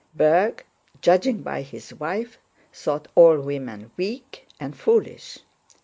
Berg, judging by his wife, thought all women weak and foolish.